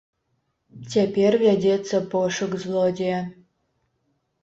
Цяпер вядзецца пошук злодзея.